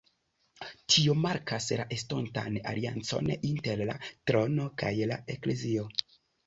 Tio markas la estontan aliancon inter la trono kaj la Eklezio.